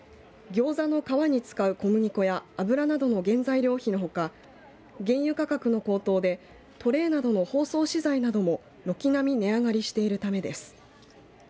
ギョーザの皮に使う小麦粉や油などの原材料費のほか原油価格の高騰でトレーなどの包装資材なども軒並み値上がりしているためです。